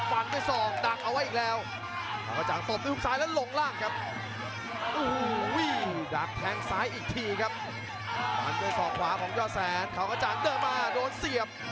มันด้วยสอกขวาของเยาะแสนเขากระจ่างเดินมาโดนเสียบ